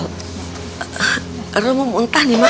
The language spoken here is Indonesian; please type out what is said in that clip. lu mau muntah nih mak